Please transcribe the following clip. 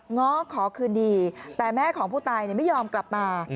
ง้อขอคืนดีแต่แม่ของผู้ตายไม่ยอมกลับมา